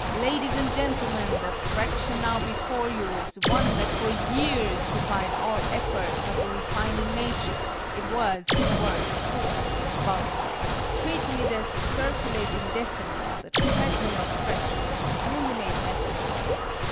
"Ladies and gentlemen, the fraction now before you is one that for years defied all efforts of a refining nature: it was, in a word, hopelessly vulgar. Treating it as a circulating decimal (the treadmill of fractions) only made matters worse.